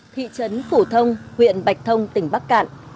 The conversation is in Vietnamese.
thị trấn phủ thông huyện bạch thông tỉnh bắc cạn